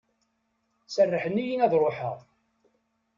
Serrḥen-iyi ad d-ruḥeɣ.